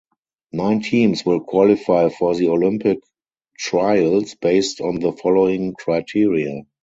Nine teams will qualify for the Olympic Trials based on the following criteria.